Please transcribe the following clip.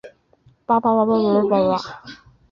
密苏里大学坐落于此。